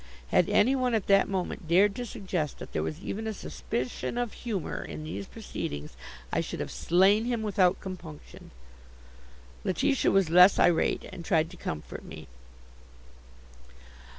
Had any one at that moment dared to suggest that there was even a suspicion of humor in these proceedings I should have slain him without compunction. Letitia was less irate and tried to comfort me.